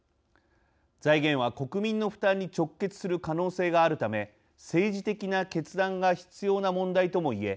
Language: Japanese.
財源は国民の負担に直結する可能性があるため政治的な決断が必要な問題とも言え